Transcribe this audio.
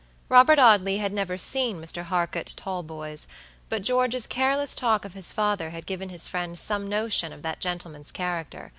Robert Audley had never seen Mr. Harcourt Talboys; but George's careless talk of his father had given his friend some notion of that gentleman's character.